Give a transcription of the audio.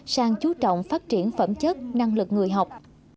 sang chú trọng phát triển phẩm chất năng lực người học